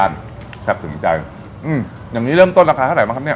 แซ่บถึงใจอืมอย่างงี้เริ่มต้นราคาเท่าไหร่บ้างครับเนี้ย